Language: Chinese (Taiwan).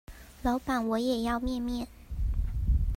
老闆我也要麵麵